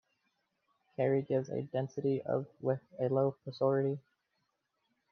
Carry gives a density of with a low porosity.